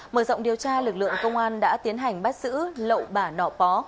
mở rộng điều tra lực lượng công an đã tiến hành bắt giữ lậu bả nọ pó